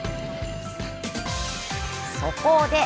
そこで！